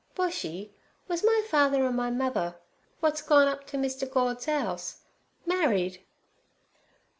'Boshy, was my father an' my mother—w'at's gone up to Mr. Gord's 'ouse—married?'